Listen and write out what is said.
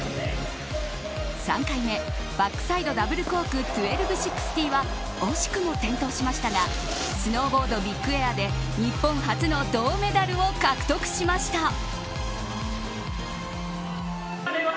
３回目バックサイドダブルコーク１２６０は惜しくも転倒しましたがスノーボードビッグエアで日本初の銅メダルを獲得しました。